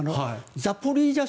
ザポリージャ州